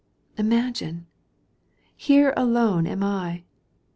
Imagine ! Here alone am I